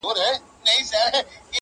چي په خټه مو اغږلي ناپوهي او جهالت وي -